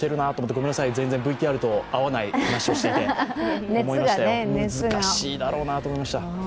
ごめんなさい、全然ＶＴＲと合わない話をしていて、難しいだろうなと思いました。